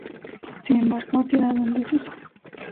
Sin embargo ha quedado en desuso.